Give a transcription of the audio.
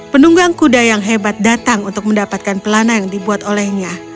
penunggang kuda yang hebat datang untuk mendapatkan pelana yang dibuat olehnya